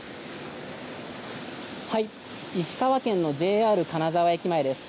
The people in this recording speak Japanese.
石川県のＪＲ金沢駅前です。